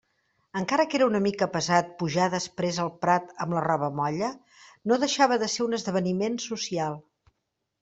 Encara que era una mica pesat pujar després el prat amb la roba molla, no deixava de ser un esdeveniment social.